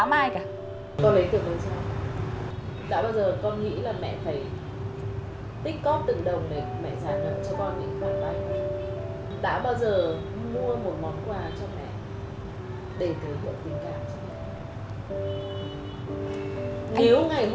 mẹ không cảm nhận